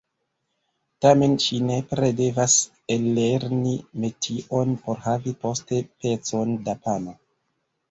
Tamen ŝi nepre devas ellerni metion, por havi poste pecon da pano.